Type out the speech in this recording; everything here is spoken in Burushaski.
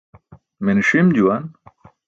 Mene ṣim juwan.